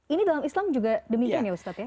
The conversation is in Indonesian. ini dalam islam juga demikian ya ustadz ya